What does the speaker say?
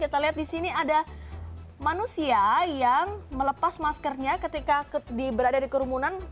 kita lihat di sini ada manusia yang melepas maskernya ketika berada di kerumunan